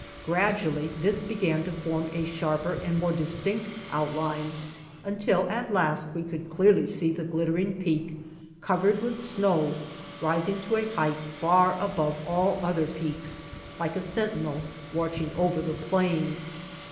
Gradually this began to form a sharper and more distinct outline, until at last we could see clearly the glittering peak, covered with snow, rising to a height far above all other peaks, like a sentinel watching over the plain.